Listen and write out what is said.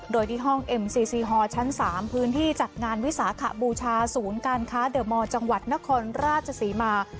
โดยที่ห้องเอ็มซีซีฮอร์ชั้น๓พื้นที่จัดงานวิสาขบูชาศูนย์การค้าเดอร์มอร์จังหวัดนครราชศรีมา